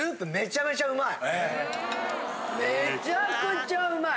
めちゃくちゃうまい！